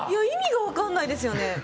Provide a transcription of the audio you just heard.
意味が分かんないですよね。